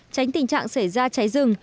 tránh tình trạng xảy ra cháy rừng